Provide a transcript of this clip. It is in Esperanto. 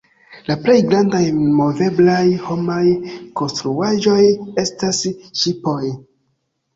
La plej grandaj moveblaj homaj konstruaĵoj estas ŝipoj.